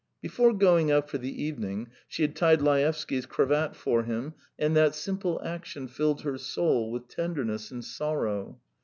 Before going out for the evening she had tied Laevsky's cravat for him, and that simple action filled her soul with tenderness and sorrow.